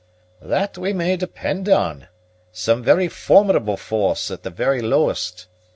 "That we may depend on some very formidable force at the very lowest.